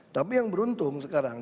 tapi yang beruntung sekarang